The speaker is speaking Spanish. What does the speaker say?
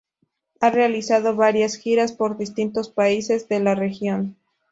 Ha realizado varias giras por distintos países de la región.